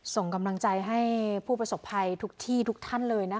ส่งกำลังใจให้ผู้ประสบภัยทุกที่ทุกท่านเลยนะคะ